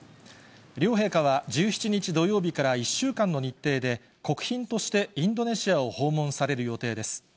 両陛下は１７日土曜日から１週間の日程で、国賓としてインドネシアを訪問される予定です。